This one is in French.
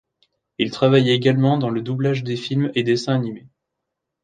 Il travaillait également dans le doublage des films et dessins animés.